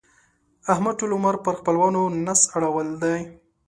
احمد ټول عمر پر خپلوانو نس اړول دی.